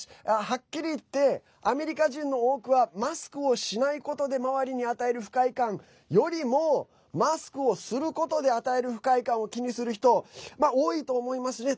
はっきり言ってアメリカ人の多くはマスクをしないことで周りに与える不快感よりもマスクをすることで与える不快感を気にする人多いと思いますね。